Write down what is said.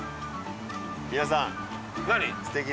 皆さん何？